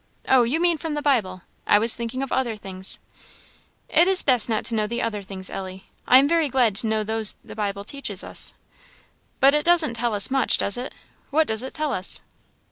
"Oh, you mean from the Bible I was thinking of other things." "It is best not to know the other things, Ellie I am very glad to know those the Bible teaches us." "But is doesn't tell us much, does it? What does it tell us?"